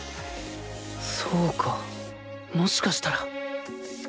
そうかもしかしたら